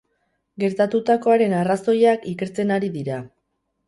Gertatutakoaren arrazoiak ikertzen ari dira.